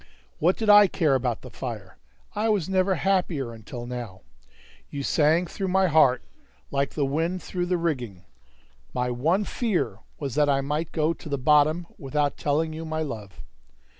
What did I care about the fire? I was never happier until now! You sang through my heart like the wind through the rigging; my one fear was that I might go to the bottom without telling you my love.